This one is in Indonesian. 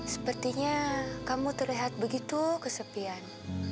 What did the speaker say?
sepertinya kamu terlihat begitu kesepian